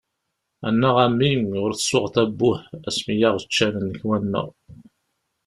Annaɣ, a mmi! Ur tsuɣeḍ "abbuh" ass-mi yaɣ-ččan nnekwa-nneɣ!